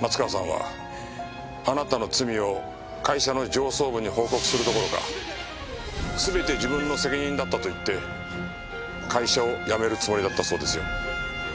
松川さんはあなたの罪を会社の上層部に報告するどころか全て自分の責任だったと言って会社を辞めるつもりだったそうですよ。